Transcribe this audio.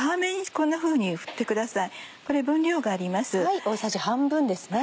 これ分量があります。